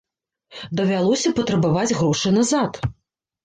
Давялося патрабаваць грошы назад.